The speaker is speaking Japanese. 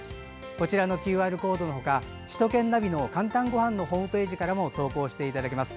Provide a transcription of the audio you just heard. こちらのＱＲコードの他首都圏ナビの「かんたんごはん」ホームページからも投稿していただけます。